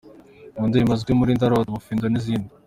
Mu ndirimbo azwi muri ’Ndarota’, Ubufindo n’izindi.